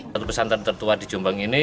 satu pesantren tertua di jombang ini